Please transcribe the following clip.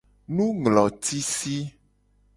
Nunglotisi.